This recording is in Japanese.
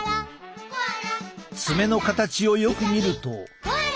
爪の形をよく見ると。